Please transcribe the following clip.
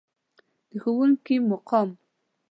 د ښوونکي مقام.